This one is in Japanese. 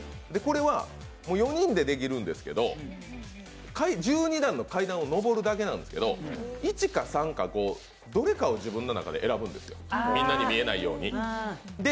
これは４人でできるんですけど１２段の階段を上るだけなんですけど１か３か５、どれかを自分で選ぶんですよ、みんなに見えないように。